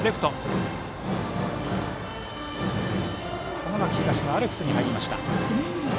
花巻東のアルプスに入りました。